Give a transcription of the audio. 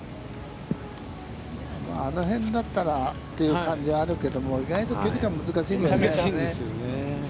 まああの辺だったらという感じはあるけども、意外と距離感が難しいんだよね。